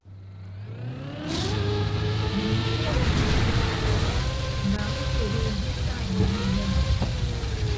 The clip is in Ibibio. Nnyịn imiwuọ idi mbaak otodo idisaad nneme ineme.